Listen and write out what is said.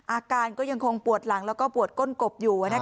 อาการก็ยังคงปวดหลังแล้วก็ปวดก้นกบอยู่